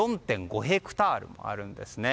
ヘクタールもあるんですね。